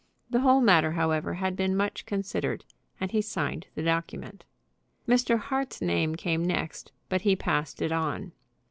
The whole matter, however, had been much considered, and he signed the document. Mr. Hart's name came next, but he passed it on.